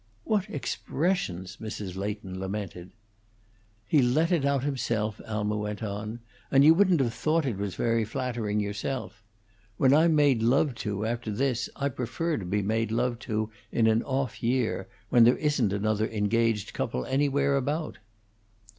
"What expressions!" Mrs. Leighton lamented. "He let it out himself," Alma went on. "And you wouldn't have thought it was very flattering yourself. When I'm made love to, after this, I prefer to be made love to in an off year, when there isn't another engaged couple anywhere about."